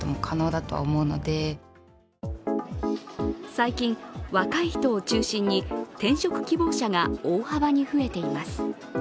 最近、若い人を中心に転職希望者が大幅に増えています。